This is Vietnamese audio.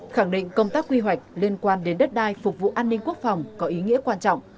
khẳng định công tác quy hoạch liên quan đến đất đai phục vụ an ninh quốc phòng có ý nghĩa quan trọng